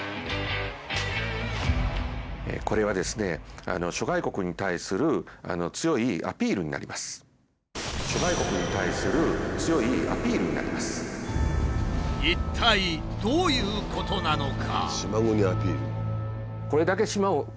これはですね一体どういうことなのか？